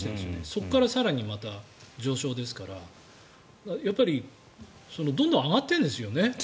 そこから更にまた上昇ですからやっぱりどんどん上がっているんですよね